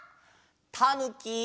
たぬき！